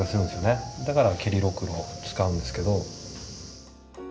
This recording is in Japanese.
だから蹴りろくろを使うんですけど。